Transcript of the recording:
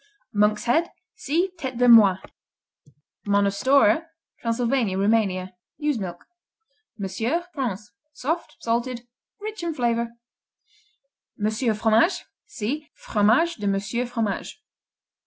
Monk's Head see Tête de Moine. Monostorer Transylvania, Rumania Ewe's milk. Monsieur France Soft; salted; rich in flavor. Monsieur Fromage see Fromage de Monsieur Fromage.